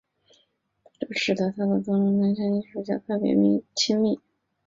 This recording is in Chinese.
这使得他的作坊对于年轻的艺术家特别亲密。